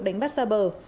đánh bắt sa bờ